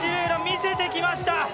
楽、見せてきました。